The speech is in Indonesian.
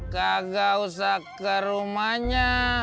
kagak usah ke rumahnya